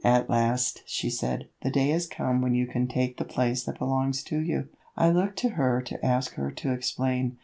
"At last," she said, "the day has come when you can take the place that belongs to you." I looked to her to ask her to explain.